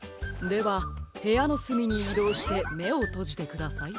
ではへやのすみにいどうしてめをとじてください。